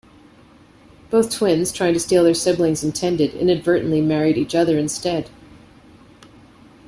Both twins, trying to steal their sibling's intended, inadvertently married each other instead.